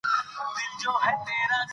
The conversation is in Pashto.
هغه تر څو بجو په هدیرې ګرځیدلی و.